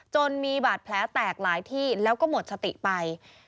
จนมีบาดแผลแตกหลายที่แล้วก็หมดสติไป